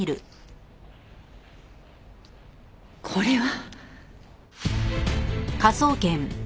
これは。